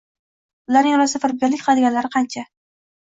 Ularning orasida firibgarlik qiladiganlari qancha.